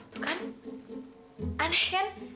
tuh kan aneh kan